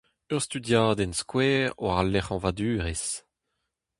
Ur studiadenn skouer war al lec'hanvadurezh.